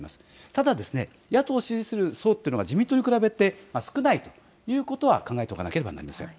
ただ野党を支持する層というのが自民党に比べて少ないということは考えておかなければなりません。